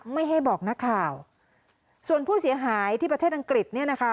ไม่ให้บอกนักข่าวส่วนผู้เสียหายที่ประเทศอังกฤษเนี่ยนะคะ